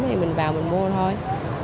thì mình vào mình mua thôi